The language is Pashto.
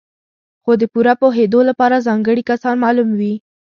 خو د پوره پوهېدو لپاره ځانګړي کسان معلوم وي.